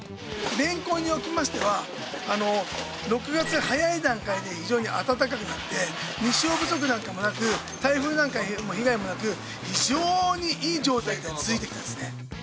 れんこんにおきましては６月早い段階で非常に暖かくなって日照不足なんかもなく台風なんかの被害もなく非常にいい状態が続いてきたんですね。